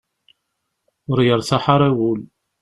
Ur yertaḥ ara wul.